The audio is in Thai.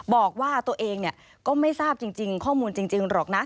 บอกว่าตัวเองก็ไม่ทราบจริงข้อมูลจริงหรอกนะ